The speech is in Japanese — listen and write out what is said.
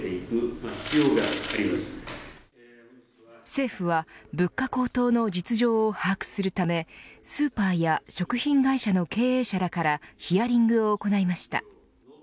政府は物価高騰の実情を把握するためスーパーや食品会社の経営者らからヒアリングを行いました。